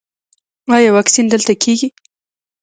ایا واکسین دلته کیږي؟